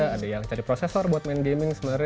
ada yang cari processor buat main gaming sebenarnya